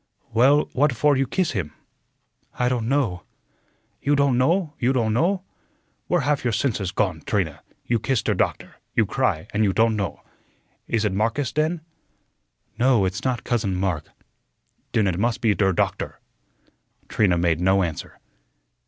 "Well, what for you kiss him?" "I don't know." "You don' know, you don' know? Where haf your sensus gone, Trina? You kiss der doktor. You cry, and you don' know. Is ut Marcus den?" "No, it's not Cousin Mark." "Den ut must be der doktor." Trina made no answer.